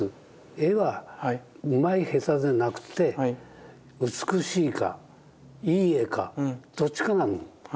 絵はうまい下手でなくて美しいかいい絵かどっちかなの。